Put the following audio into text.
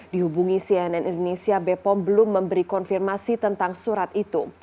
dihubungi cnn indonesia bepom belum memberi konfirmasi tentang surat itu